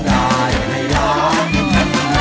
สวัสดีครับ